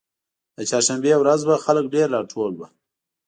د چهارشنبې ورځ وه خلک ډېر راټول وو.